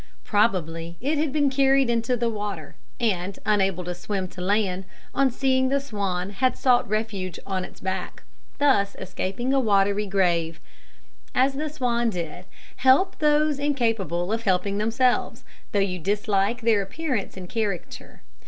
Probably it had been carried into the water, and, unable to swim to land, on seeing the swan had sought refuge on its back, thus escaping a watery grave. As the swan did, help those incapable of helping themselves, though you dislike their appearance and character.